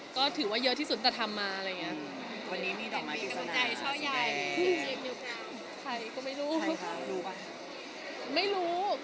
ก็ถือว่าเยอะที่สุดแต่ทำมาอะไรอย่างนี้